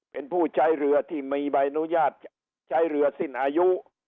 เป็นผู้ใช้เรือที่มีใบอนุญาตใช้เรือสิ้นอายุ